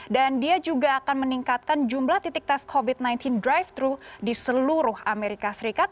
dan dia juga akan meningkatkan jumlah titik tes covid sembilan belas drive thru di seluruh amerika serikat